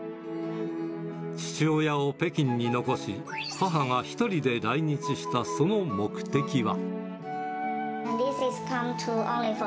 父親を北京に残し、母が１人で来日したその目的は。